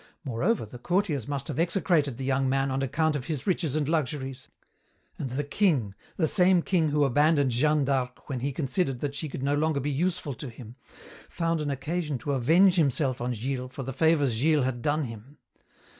Moreover, the courtiers must have execrated the young man on account of his riches and luxuries; and the king, the same king who abandoned Jeanne d'Arc when he considered that she could no longer be useful to him, found an occasion to avenge himself on Gilles for the favours Gilles had done him.